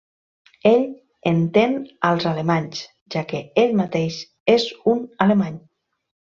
Ell entén als alemanys, ja que ell mateix és un alemany.